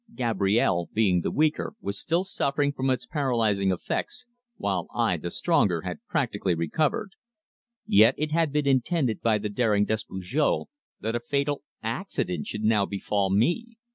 Gabrielle being the weaker, was still suffering from its paralysing effects, while I, the stronger, had practically recovered. Yet it had been intended by the daring Despujol that a fatal "accident" should now befall me!